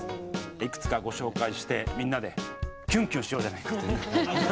いくつかご紹介してみんなでキュンキュンしようじゃないかという。